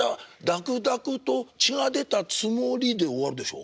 だくだくと血が出たつもり」で終わるでしょ？